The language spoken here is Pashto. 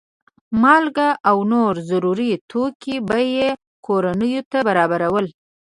مالګه او نور ضروري توکي به یې کورنیو ته برابرول.